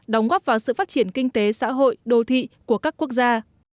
đóng góp vào sự phát triển kinh tế xã hội đô thị của các quốc gia